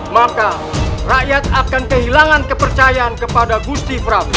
maka rakyat akan kehilangan kepercayaan kepada usti prabu